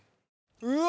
うわ